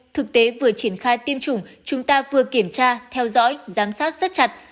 thực tế vừa triển khai tiêm chủng chúng ta vừa kiểm tra theo dõi giám sát rất chặt